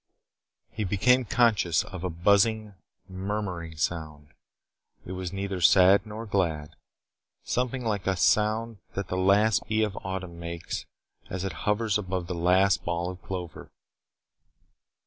He became conscious of a buzzing, murmuring sound. It was neither sad nor glad. Something like the sound that the last bee of autumn makes as it hovers above the last ball of clover.